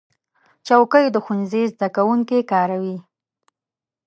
چوکۍ د ښوونځي زده کوونکي کاروي.